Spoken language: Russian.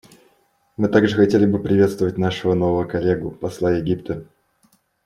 Мы также хотели бы приветствовать нашего нового коллегу — посла Египта.